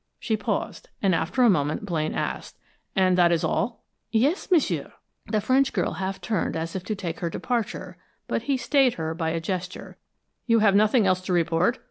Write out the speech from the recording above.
She paused, and after a moment Blaine asked: "And that is all?" "Yes, m'sieu." The French girl half turned as if to take her departure, but he stayed her by a gesture. "You have nothing else to report?